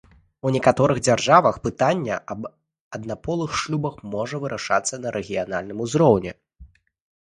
У некаторых дзяржавах пытанне аб аднаполых шлюбах можа вырашацца на рэгіянальным узроўні.